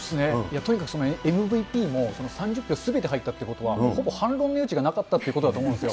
とにかくそのＭＶＰも３０票すべて入ったということは、ほぼ反論の余地がなかったということだと思うんですよ。